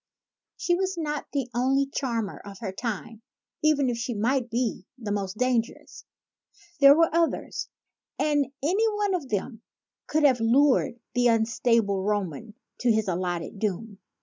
She was not the only charmer of her time, even if she might be the most dangerous. There were others; and any one of them could have lured the unstable Roman to his allotted doom.